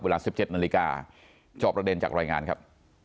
๑๗นาฬิกาจอบระเด็นจากรายงานครับ